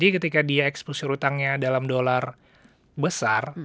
ketika dia ekspor surutannya dalam dolar besar